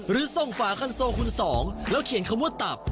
หรือส่งฝาคันโซคุณสองแล้วเขียนคำว่าตับ